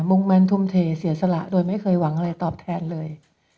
มุ่งมั่นทุ่มเทเสียสละโดยไม่เคยหวังอะไรตอบแทนเลย